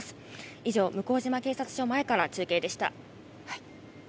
以上、向島警察署前から中継でした。